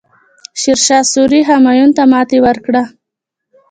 شیرشاه سوري همایون ته ماتې ورکړه.